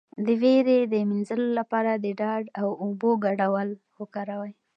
د ویرې د مینځلو لپاره د ډاډ او اوبو ګډول وکاروئ